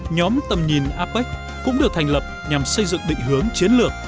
nhóm tầm nhìn apec cũng được thành lập nhằm xây dựng định hướng chiến lược